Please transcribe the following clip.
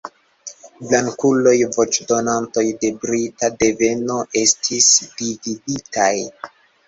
Blankulaj voĉdonantoj de brita deveno estis dividitaj.